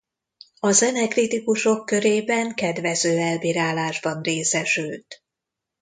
A zenekritikusok körében kedvező elbírálásban részesült.